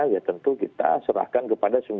ya tentu kita serahkan kepada semua